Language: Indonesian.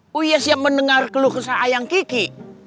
gue siap mendengar keluh keluh ayang kiki